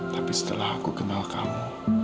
tapi setelah aku kenal kamu